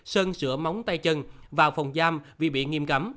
sơn sửa móng tay chân vào phòng giam vì bị nghiêm cấm